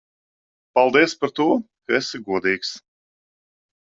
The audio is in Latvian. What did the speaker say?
Paldies par to, ka esi godīgs.